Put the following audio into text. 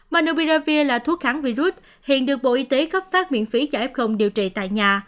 monopiravir là thuốc kháng virus hiện được bộ y tế khắp phát miễn phí cho ép không điều trị tại nhà